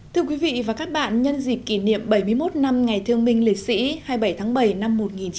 thưa quý vị và các bạn nhân dịp kỷ niệm bảy mươi một năm ngày thương minh liệt sĩ hai mươi bảy tháng bảy năm một nghìn chín trăm bảy mươi năm